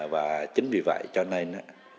và chính vì vậy cho nên